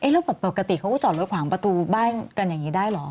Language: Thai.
แล้วปกติเขาก็จอดรถขวางประตูบ้านกันอย่างนี้ได้เหรอ